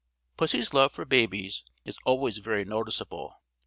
Pussy's love for babies is always very noticeable.